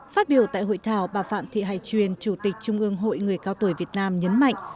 phát biểu tại hội thảo bà phạm thị hải truyền chủ tịch trung ương hội người cao tuổi việt nam nhấn mạnh